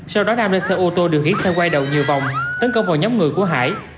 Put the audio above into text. sau đó nam lên xe ô tô điều khiển xe quay đầu nhiều vòng tấn công vào nhóm người của hải